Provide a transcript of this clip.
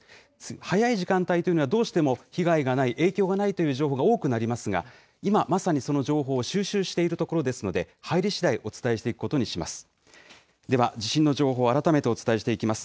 早い時間帯というのは、どうしても被害がない、影響がないという情報が多くなりますが、今まさにその情報を収集しているところですので、入りしだいお伝えしていくことにします。